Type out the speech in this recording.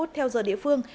theo giờ địa phương